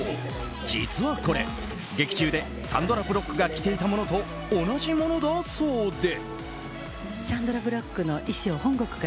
実はこれ、劇中でサンドラ・ブロックが着ていたものと同じものだそうで。